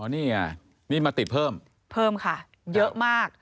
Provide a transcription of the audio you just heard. นี่ไงนี่มาติดเพิ่มเพิ่มค่ะเยอะมาก